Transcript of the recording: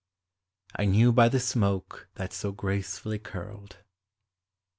I KNEW BY THE SMOKE THAT SO GRACEFULLY CURLED.